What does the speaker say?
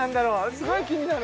すごい気になる！